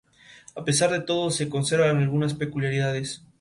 Sanlúcar es, por otra parte, un municipio fuertemente endeudado.